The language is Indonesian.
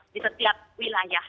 di setiap wilayah